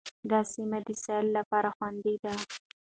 دا سیمه د سیل لپاره خوندي ده.